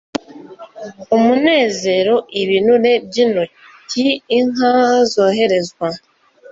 umunezero, ibinure byinoti. inka zoherezwa